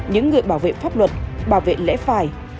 những người bảo vệ pháp luật bảo vệ lẽ phải